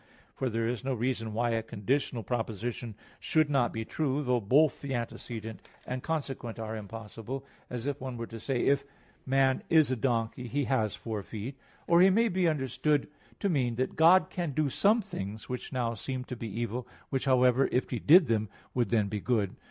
For there is no reason why a conditional proposition should not be true, though both the antecedent and consequent are impossible: as if one were to say: "If man is a donkey, he has four feet." Or he may be understood to mean that God can do some things which now seem to be evil: which, however, if He did them, would then be good.